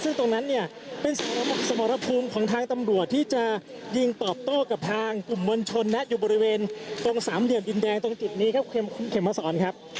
ซึ่งตรงนั้นเนี่ยเป็นสมรภูมิของทางตำรวจที่จะยิงตอบโต้กับทางกลุ่มมวลชนนะอยู่บริเวณตรงสามเหลี่ยมดินแดงตรงจุดนี้ครับคุณเขมมาสอนครับ